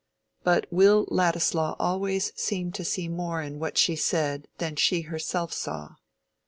But Will Ladislaw always seemed to see more in what she said than she herself saw.